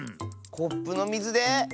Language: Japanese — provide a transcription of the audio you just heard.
コップのみずで？